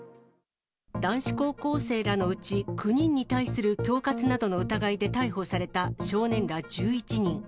男子高校生らのうち９人に対する恐喝などの疑いで逮捕された、少年ら１１人。